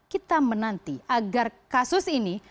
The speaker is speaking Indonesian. kita menanti agar kasus ini